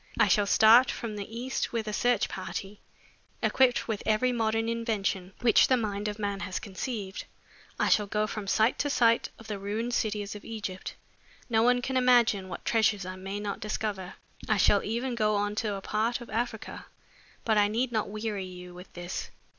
I shall start for the East with a search party, equipped with every modern invention which the mind of man has conceived. I shall go from site to site of the ruined cities of Egypt. No one can imagine what treasures I may not discover. I shall even go on to a part of Africa but I need not weary you with this.